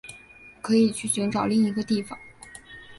可以去寻找另一个地方